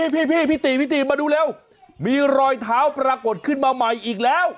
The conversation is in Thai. พี่ติพี่ติมาดูเร็วมีรอยเท้าปรากฏขึ้นมาใหม่อีกแล้ว